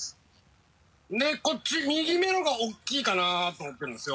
こっち右目の方が大きいかなと思ってるんですよ。